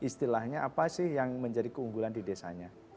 jadi apa sih yang menjadi keunggulan di desanya